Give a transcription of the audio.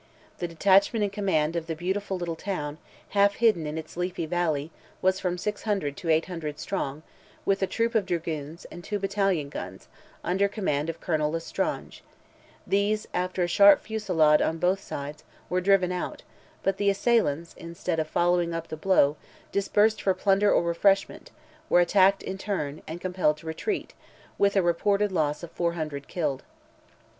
The detachment in command of the beautiful little town, half hidden in its leafy valley, was from 600 to 800 strong, with a troop of dragoons, and two battalion guns, under command of Colonel L'Estrange; these, after a sharp fusilade on both sides, were driven out, but the assailants, instead of following up the blow, dispersed for plunder or refreshment, were attacked in turn, and compelled to retreat, with a reported loss of 400 killed.